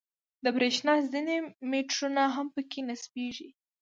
د برېښنا ځینې میټرونه هم په کې نصبېږي.